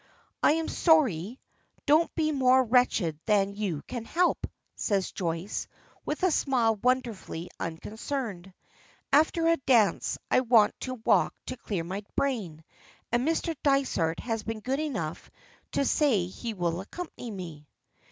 "I am sorry. Don't be more wretched than you can help!" says Joyce, with a smile wonderfully unconcerned. "After a dance I want to walk to clear my brain, and Mr. Dysart has been good enough to say he will accompany me."